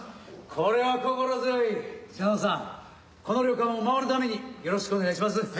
この旅館を守るためによろしくお願いします。